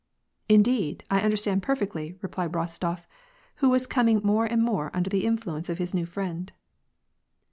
" Indeed, I understand perfectly," replied Kostof, who was coming more and more under the influence of his new friend.